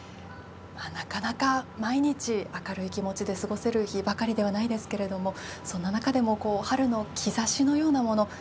なかなか、毎日明るい気持ちで過ごせる日ばかりではないですけどもそんな中でも「春の兆し」のようなもの